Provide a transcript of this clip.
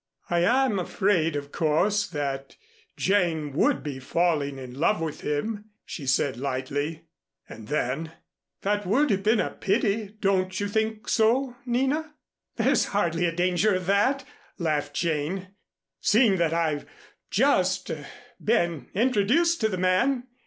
"I am afraid, of course, that Jane would be falling in love with him," she said lightly. And then, "That would have been a pity. Don't you think so, Nina?" "There's hardly a danger of that," laughed Jane, "seeing that I've just just been introduced to the man.